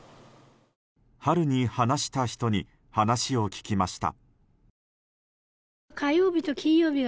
春に話した人に話を聞きました。